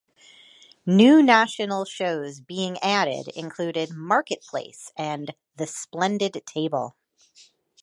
New national shows being added included "Marketplace" and "The Splendid Table".